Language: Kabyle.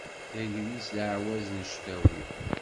D agris d ɛawaz n ctawi.